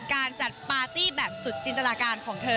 การจัดปาร์ตี้แบบสุดจินตนาการของเธอ